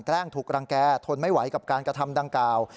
แกล้งถูกรังแก่ทนไม่ไหวกับการกระทำดังกล่าว